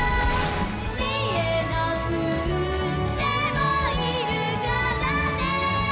「みえなくってもいるからね」